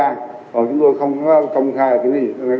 còn chúng tôi không có công khai là kiểm tra gì